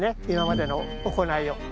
今までの行いを。